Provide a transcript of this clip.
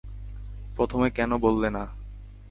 প্রথমে কেন বললে না?